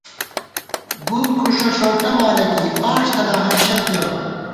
بُم کھُݭہ ݭؤٹہ مالہ کېئی ، پاݭ تلا ہنشر کېرہ